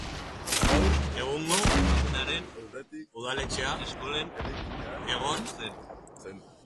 Gaur egungo kokagunearen aurretik, udaletxea eskolen eraikinean egon zen.